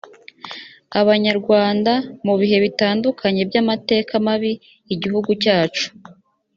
abanyarwanda mu bihe bitandukanye by amateka mabi igihugu cyacu